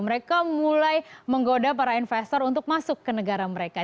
mereka mulai menggoda para investor untuk masuk ke negara mereka